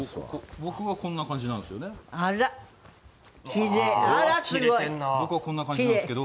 僕はこんな感じなんですけど。